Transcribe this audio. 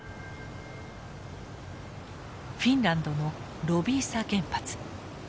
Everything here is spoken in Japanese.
フィンランドのロヴィーサ原発。